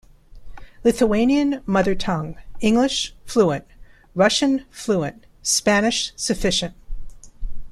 Lithuanian - mother tongue; English - fluent; Russian - fluent; Spanish - sufficient.